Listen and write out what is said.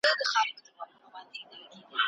ایا تاسې د پرمختیا په مفهوم پوهېږئ؟